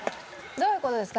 どういう事ですか？